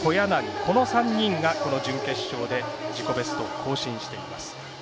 この３人が準決勝で自己ベストを更新しています。